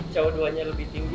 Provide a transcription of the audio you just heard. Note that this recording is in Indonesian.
kewatrolannya lebih tinggi